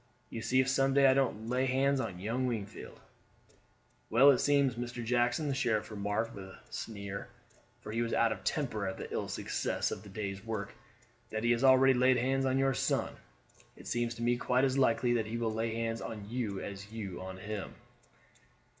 You see if some day I don't lay hands on young Wingfield." "Well, it seems, Mr. Jackson," the sheriff remarked with a sneer, for he was out of temper at the ill success of the day's work, "that he has already laid hands on your son. It seems to me quite as likely that he will lay hands on you as you on him."